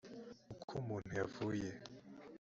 uko umuntu yavuye